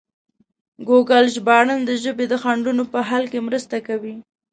ګوګل ژباړن د ژبې د خنډونو په حل کې مرسته کوي.